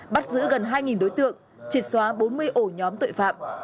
bắt giữ gần hai đối tượng triệt xóa bốn mươi ổ nhóm tội phạm